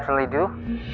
tapi saya pasti ada